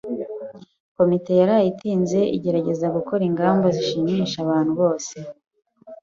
Komite yaraye itinze igerageza gukora ingamba zishimisha abantu bose.